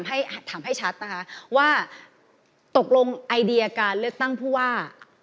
ให้ถามให้ชัดนะคะว่าตกลงไอเดียการเลือกตั้งผู้ว่า